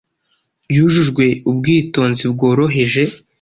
Yujujwe ubwitonzi bworoheje,